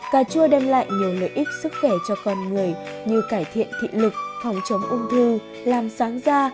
cà chua đem lại nhiều lợi ích sức khỏe cho con người như cải thiện thị lực phòng chống ung thư làm sáng da